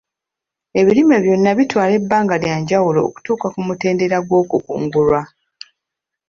Ebirime byonna bitwala ebbanga lya njawulo okutuuka ku mutendera gw'okukungulwa.